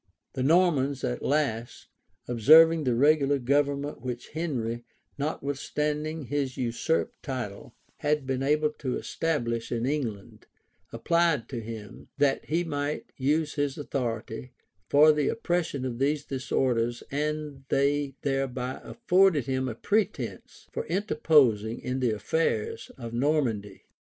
The Normans at last, observing the regular government which Henry, notwithstanding his usurped title, had been able to establish in England, applied to him, that he might use his authority for the suppression of these disorders and they thereby afforded him a pretence for interposing in the affairs of Normandy.